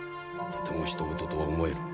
とてもひと事とは思えぬ。